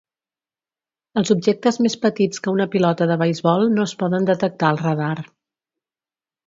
Els objectes més petits que una pilota de beisbol no es poden detectar al radar.